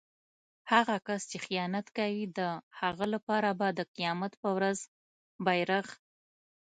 هغه کس چې خیانت کوي د هغه لپاره به د قيامت په ورځ بیرغ